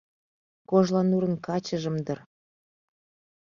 Кожланурын качыжым дыр